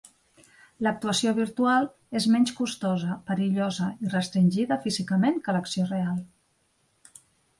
L'actuació virtual és menys costosa, perillosa, i restringida físicament que l'acció real.